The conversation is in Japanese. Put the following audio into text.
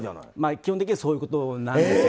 基本的にはそういうことなんです。